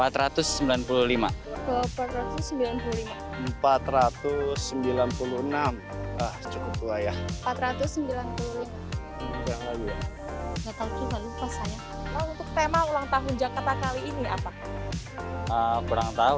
tema ulang tahun jakarta kali ini apa kurang tahu